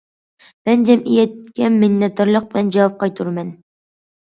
مەن جەمئىيەتكە مىننەتدارلىق بىلەن جاۋاب قايتۇرىمەن.